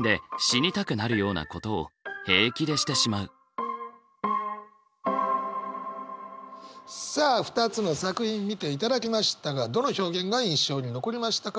「スバラ式世界」でさあ２つの作品見ていただきましたがどの表現が印象に残りましたか？